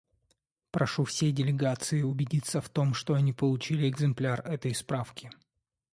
Прошу все делегации убедиться в том, что они получили экземпляр этой справки.